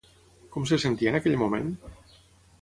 Com se sentia en aquell moment?